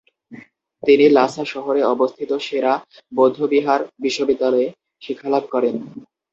তিনি লাসা শহরে অবস্থিত সে-রা বৌদ্ধবিহার বিশ্ববিদ্যালয়ে শিক্ষালাভ করেন।